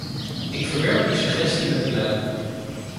Ik verwerp die suggestie met klem.